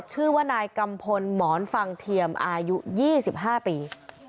ชื่อว่านายกัมพลหมอนฟังเทียมอายุ๒๕ปี